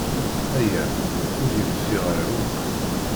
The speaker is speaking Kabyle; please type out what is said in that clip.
Aya ur yenfiɛ ara akk.